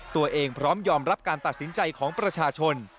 พร้อมยอมรับการตัดสินใจของประชาชน